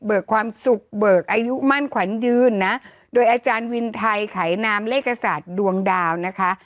ความสุขเบิกอายุมั่นขวัญยืนนะโดยอาจารย์วินไทยไขนามเลขศาสตร์ดวงดาวนะคะ